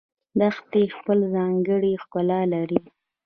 دښتې خپل ځانګړی ښکلا لري